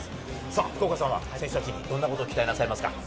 福岡さんは選手たちにどんなことを期待しますか？